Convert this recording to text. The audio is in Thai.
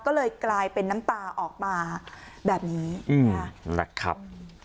ก็เลยกลายเป็นน้ำตาออกมาแบบนี้นะครับ